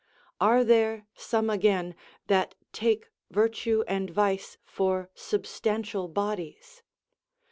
Are there some again, that take virtue and vice for substantial bodies